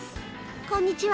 こんにちは。